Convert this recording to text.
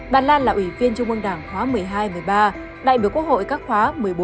bà lan là ủy viên trung ương đảng khóa một mươi hai một mươi ba đại biểu quốc hội các khóa một mươi bốn một mươi năm